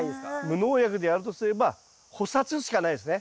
無農薬でやるとすれば捕殺しかないですね。